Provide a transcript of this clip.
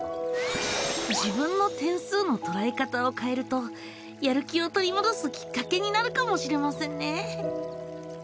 自分の点数のとらえ方を変えるとやる気を取り戻すきっかけになるかもしれませんね！